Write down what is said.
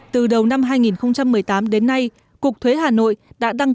từ đầu năm hai nghìn một mươi tám đến nay cục thuế hà nội đã đăng